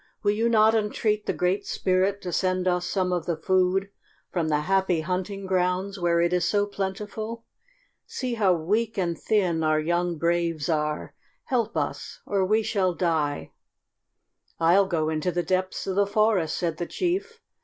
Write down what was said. "Will you not entreat the Great Spirit to send us some of the food from the Happy Hunting Grounds where it is so plentiful? See how weak and thin our young braves are. Help us or we shall die." "I'll go into the depths of the forest," said the chief.